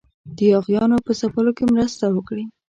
د یاغیانو په ځپلو کې مرسته وکړي.